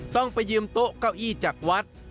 ต้องไปยืมโต๊ะเก้าอี้จากวัด